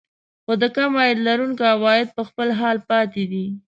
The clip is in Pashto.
خو د کم عاید لرونکو عوايد په خپل حال پاتې دي